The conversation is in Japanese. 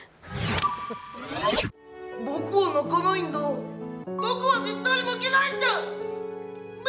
僕は泣かないんだ、僕は絶対負けないんだ！